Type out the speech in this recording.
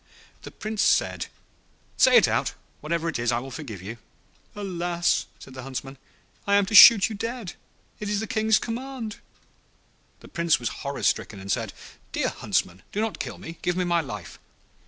The Prince said, 'Say it out; whatever it is I will forgive you.' 'Alas!' said the Huntsman, 'I am to shoot you dead; it is the King's command.' The Prince was horror stricken, and said, 'Dear Huntsman, do not kill me, give me my life.